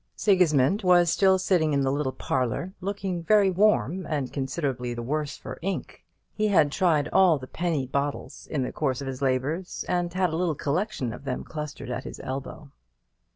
Sigismund was still sitting in the little parlour, looking very warm, and considerably the worse for ink. He had tried all the penny bottles in the course of his labours, and had a little collection of them clustered at his elbow.